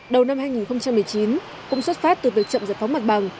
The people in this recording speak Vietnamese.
đầu năm hai nghìn một mươi chín cũng xuất phát từ việc chậm giải phóng mặt bằng